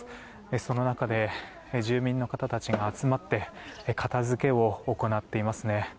その中で住民の方たちが集まって片付けを行っていますね。